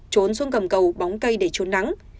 trốn xuống gầm cầu bóng cây để trốn nắng